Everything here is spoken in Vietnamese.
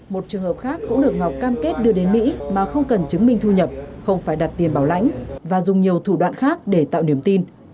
một trường hợp khác cũng được ngọc cam kết đưa đến mỹ mà không cần chứng minh thu nhập không phải đặt tiền bảo lãnh và dùng nhiều thủ đoạn khác để tạo niềm tin